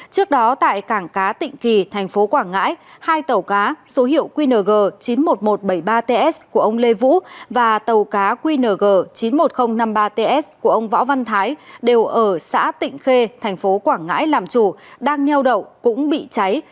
trước đó tại cảng cá tịnh kỳ thành phố quảng ngãi hai tàu cá số hiệu qng chín mươi một nghìn một trăm bảy mươi ba ts của ông lê vũ và tàu cá qng chín mươi một nghìn năm mươi ba ts của ông võ văn thái đều ở xã tịnh khê thành phố quảng ngãi làm chủ đang neo đậu cũng bị cháy